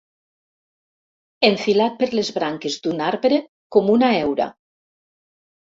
Enfilat per les branques d'un arbre com una heura.